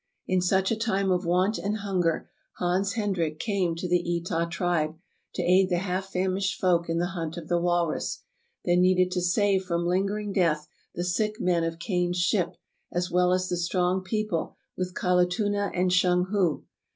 In such a time of want and hunger Hans Hendrik came The Wifely Heroism of Mertuk 375 to the Etah tribe, to aid tiie half famished folk in the hunt of the walrus, then needed to save from lingering death the sick men of Kane's ship as well as the strong people with Kalutunah and Shung hu.